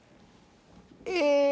え。